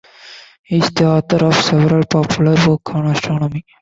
He is the author of several popular works on astronomy.